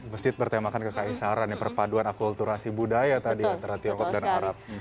masjid bertemakan kekaisaran perpaduan akulturasi budaya tadi antara tiongkok dan arab